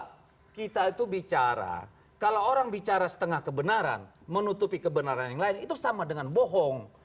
karena kita itu bicara kalau orang bicara setengah kebenaran menutupi kebenaran yang lain itu sama dengan bohong